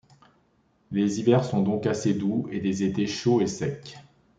Les hivers sont donc assez doux et les étés chauds et secs.